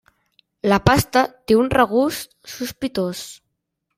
La pasta té un regust sospitós.